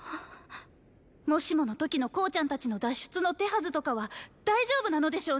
もしもの時の向ちゃんたちの脱出の手はずとかは大丈夫なのでしょうね